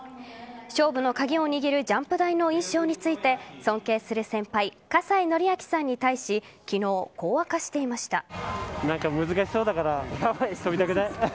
勝負の鍵を握るジャンプ台の印象について尊敬する先輩葛西紀明さんに対し昨日、こう明かしていました。